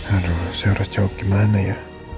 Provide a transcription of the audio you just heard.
aduh seorang cowok gimana ya